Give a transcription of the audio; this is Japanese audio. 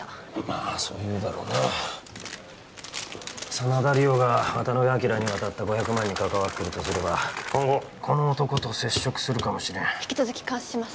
あそう言うだろうな真田梨央が渡辺昭に渡った５００万円に関わってるとすれば今後この男と接触するかもしれん引き続き監視します